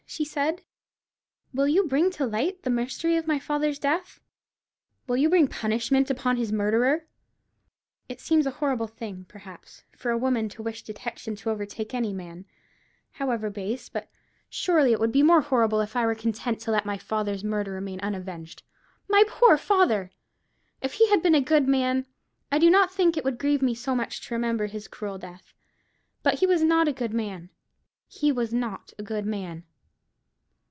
she said; "will you bring to light the mystery of my father's death? Will you bring punishment upon his murderer? It seems a horrible thing, perhaps, for a woman to wish detection to overtake any man, however base; but surely it would be more horrible if I were content to let my father's murder remain unavenged. My poor father! If he had been a good man, I do not think it would grieve me so much to remember his cruel death: but he was not a good man—he was not a good man."